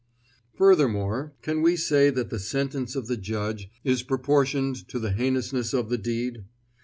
Furthermore, can we say that the sentence of the judge is proportioned to the heinousness of the deed?